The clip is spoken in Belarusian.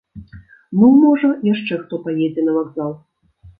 Ну, можа, яшчэ хто паедзе на вакзал.